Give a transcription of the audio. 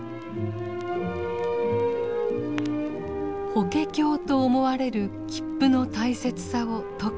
法華経と思われる切符の大切さを説く男。